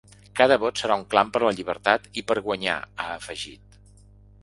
Cada vot serà un clam per la llibertat i per guanyar, ha afegit.